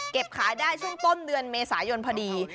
ขายได้ช่วงต้นเดือนเมษายนพอดี